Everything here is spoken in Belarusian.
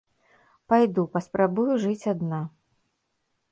Пайду, паспрабую жыць адна.